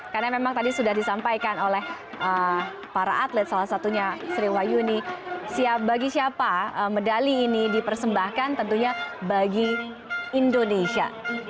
karena memang tadi sudah disampaikan oleh para atlet salah satunya sriwayuni bagi siapa medali ini dipersembahkan tentunya bagi indonesia